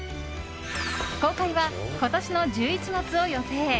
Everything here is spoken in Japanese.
公開は今年の１１月を予定。